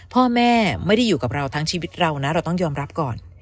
พ่อแม่ไม่ได้อยู่กับเราทั้งชีวิตเรานะเราต้องยอมรับก่อน